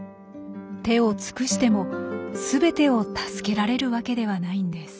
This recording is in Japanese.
手を尽くしても全てを助けられるわけではないんです。